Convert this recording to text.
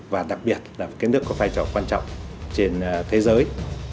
và đặc biệt là các nước có vai trò quan trọng trên thế giới